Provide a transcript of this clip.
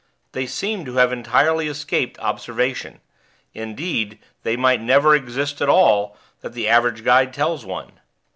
They seem to have entirely escaped observation: indeed, they might never exist for all that the average guide tells one.